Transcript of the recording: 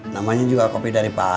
namanya juga kopi dari pak